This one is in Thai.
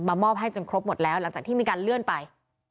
มอบให้จนครบหมดแล้วหลังจากที่มีการเลื่อนไป